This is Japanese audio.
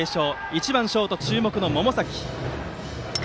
１番ショート、注目の百崎。